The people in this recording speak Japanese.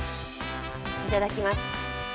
いただきます。